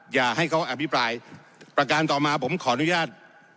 อย่าให้เขาอภิปรายประการต่อมาผมขออนุญาต